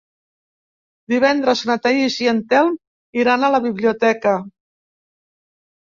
Divendres na Thaís i en Telm iran a la biblioteca.